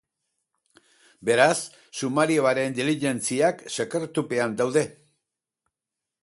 Beraz, sumarioren diligentziak sekretupean daude.